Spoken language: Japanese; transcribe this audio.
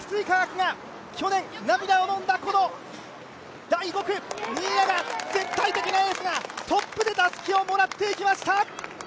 積水化学が去年、涙をのんだ第５区新谷が、絶対的なエースがトップでたすきをもらっていきました。